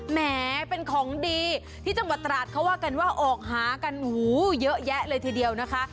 แหมเป็นของดีที่จังหวัดตราดเขาว่ากันว่าออกหากันหูเยอะแยะเลยทีเดียวนะคะ